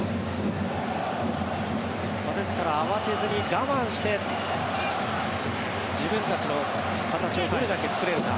ですから慌てずに我慢して自分たちの形をどれだけ作れるか。